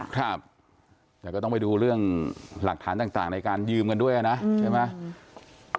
ครับแต่ก็ต้องไปดูเรื่องหลักฐานต่างในการยืมกันด้วยนะใช่ไหม